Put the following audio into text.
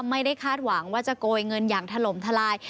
ไม่ได้คาดหวังว่าจะโกยเงินอย่างถล่มทลาย